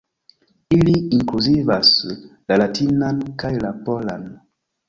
Ili inkluzivas la latinan kaj la polan.